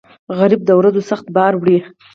غریب د ورځو سخت بار وړي